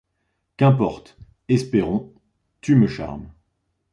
Qu'importe ! Espérons ! tu me charmes